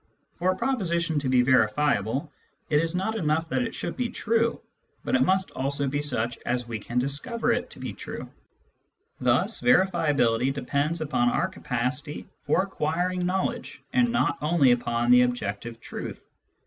For a proposition to be verifiable, it is not enough that Digitized by VjOOQIC WORLDS OF PHYSICS AND OF SENSE in it should be true, but it must also be such as we can discover to be true. Thus verifiability depends upon our capacity for acquiring knowledge, and not only upon the objective truth.